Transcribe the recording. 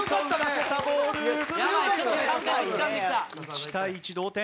１対１同点。